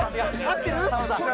あってる？